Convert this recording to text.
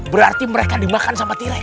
berarti mereka dimakan sama tilang